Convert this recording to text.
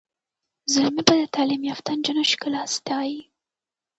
زلمي به د تعلیم یافته نجونو ښکلا ستایي.